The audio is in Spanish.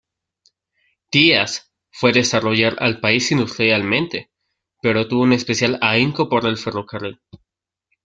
Díaz fue desarrollar al país industrialmente, pero tuvo un especial ahínco por el ferrocarril.